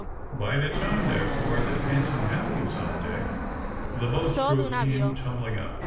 By the time, therefore, that En sign Hal was on deck, the boat's crew came tumbling up.